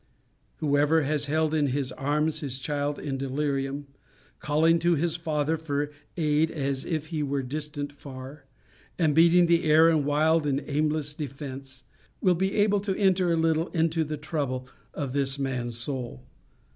Whoever has held in his arms his child in delirium, calling to his father for aid as if he were distant far, and beating the air in wild and aimless defence, will be able to enter a little into the trouble of this man's soul.